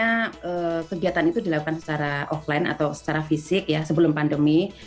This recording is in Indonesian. karena kegiatan itu dilakukan secara offline atau secara fisik ya sebelum pandemi